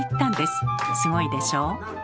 すごいでしょ？